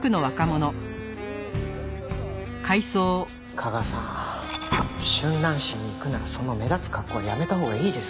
架川さん春蘭市に行くならその目立つ格好はやめたほうがいいです。